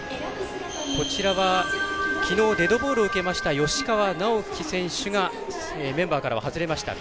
こちらは、きのうデッドボールを受けた吉川尚輝選手がメンバーからは外れました。